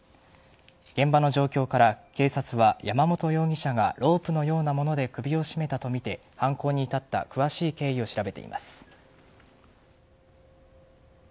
現場の状況から警察は、山本容疑者がロープのようなもので首を絞めたとみて犯行に至った詳しい経緯を調べています。